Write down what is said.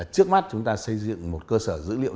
trước mắt chúng ta xây dựng một cơ sở dữ liệu